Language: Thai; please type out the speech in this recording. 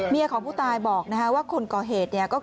เมียของผู้ตายบอกว่าคนก่อเหตุก็คือ